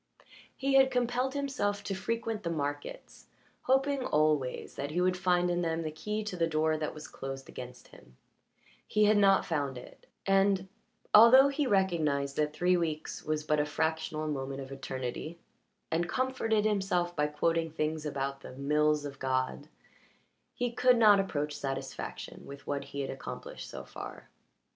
He had compelled himself to frequent the markets, hoping always that he would find in them the key to the door that was closed against him; he had not found it, and, although he recognized that three weeks was but a fractional moment of eternity, and comforted himself by quoting things about the "mills of God," he could not approach satisfaction with what he had accomplished so far.